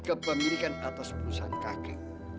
kepemilikan atas perusahaan kakek